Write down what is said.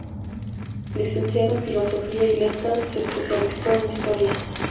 Licenciado en Filosofía y Letras, se especializó en Historia.